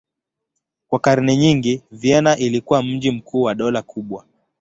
Kwa karne nyingi Vienna ilikuwa mji mkuu wa dola kubwa.